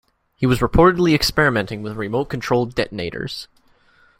He was reportedly experimenting with remote-controlled detonators.